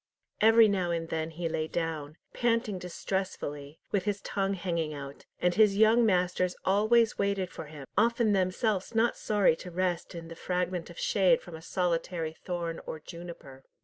Every now and then he lay down, panting distressfully, with his tongue hanging out, and his young masters always waited for him, often themselves not sorry to rest in the fragment of shade from a solitary thorn or juniper.